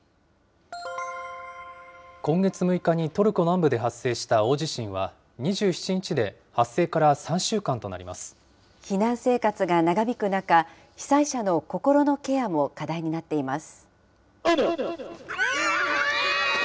今月６日にトルコ南部で発生した大地震は、２７日で発生から避難生活が長引く中、被災者の心のケアも課題になっています。